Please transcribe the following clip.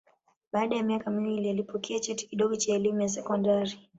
Baada ya miaka miwili alipokea cheti kidogo cha elimu ya sekondari.